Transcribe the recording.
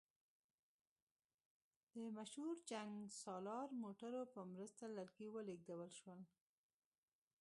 د مشهور جنګسالار موټرو په مرسته لرګي ولېږدول شول.